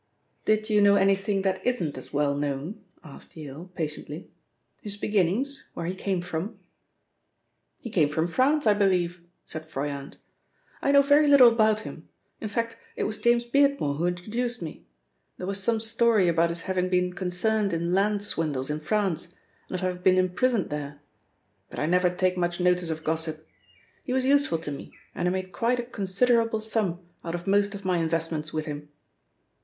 "Did you know anything that isn't as well known?" asked Yale patiently. "His beginnings, where he came from?" "He came from France, I believe," said Froyant. "I know very little about him. In fact, it was James Beardmore who introduced me. There was some story about his having been concerned in land swindles in France, and of having been imprisoned there, but I never take much notice of gossip. He was useful to me, and I made quite a considerable sum out of most of my investments with him."